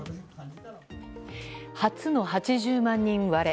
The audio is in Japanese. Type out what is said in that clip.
初の８０万人割れ。